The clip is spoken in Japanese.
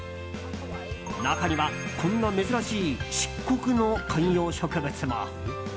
中にはこんな珍しい漆黒の観葉植物も。